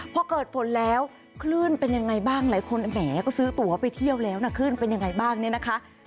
พอเกิดฝนแล้วคลื่นเป็นยังไงบ้างหลายคนแหมก็ซื้อตัวไปเที่ยวแล้วนะคลื่นเป็นยังไงบ้างเนี่ยนะคะ